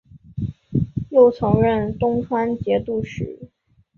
又曾任东川节度使。